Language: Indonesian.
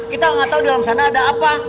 kita gak tau di dalam sana ada apa